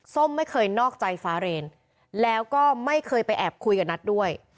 ไม่เคยนอกใจฟ้าเรนแล้วก็ไม่เคยไปแอบคุยกับนัทด้วย